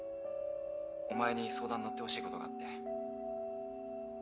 お前に相談乗ってほしいことがあって。